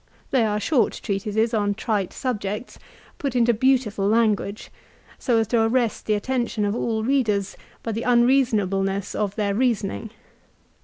They are short treatises on trite subjects, put into beautiful language, so as to arrest the attention of all readers by the unreasonableness of their reasoning.